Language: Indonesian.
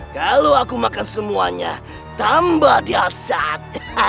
kalau aku makan semuanya tambah dia saat